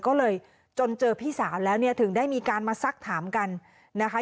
ก็เลยจนเจอพี่สาวแล้วเนี่ยถึงได้มีการมาซักถามกันนะคะ